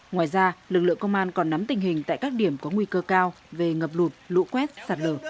ngoài ra lực lượng công an còn nắm tình hình tại các điểm có nguy cơ cao về ngập lụt lũ quét sạt lở